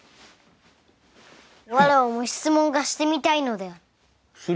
わらわも質問がしてみたいのである。